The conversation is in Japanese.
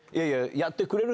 やってくれるの？